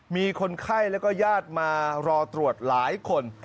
มีคนไข้แล้วก็ญาติมารอตรวจหลายคน